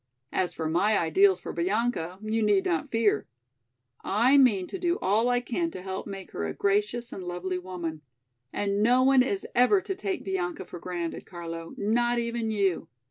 As for my ideals for Bianca, you need not fear. I mean to do all I can to help make her a gracious and lovely woman. And no one is ever to take Bianca for granted, Carlo, not even you.